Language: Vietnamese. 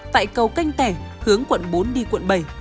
tại cầu canh tẻ hướng quận bốn đi quận bảy